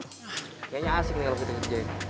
kayaknya asing nih lo gitu kerjain